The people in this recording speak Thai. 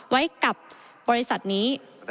ไว้กับบริษัทนี้